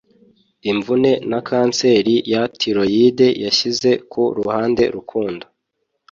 Imvune na kanseri ya tiroyide yashyize ku ruhande Rukundo